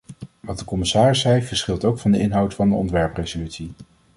Wat de commissaris zei verschilt ook van de inhoud van de ontwerpresolutie.